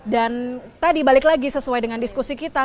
dan tadi balik lagi sesuai dengan diskusi kita